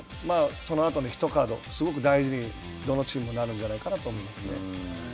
そのあとの１カード、すごく大事にどのチームもなるんじゃないかなと思いますね。